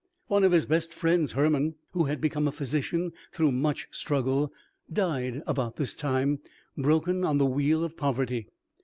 One of his best friends, Herman, who had become a physician through much struggle, died about this time, broken on the wheel of poverty.